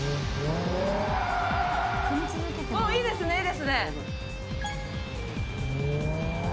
いいですね、いいですね。